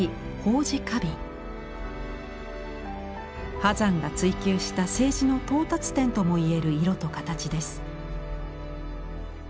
波山が追求した青磁の到達点とも言える色と形です。